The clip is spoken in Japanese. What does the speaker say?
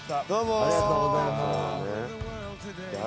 ・ありがとうございます。